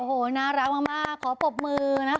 โอ้โหน่ารักมากขอปรบมือนะคะ